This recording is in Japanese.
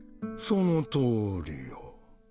そのとおりよ！